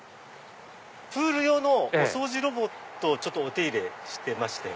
プール用のお掃除ロボットをお手入れしてまして。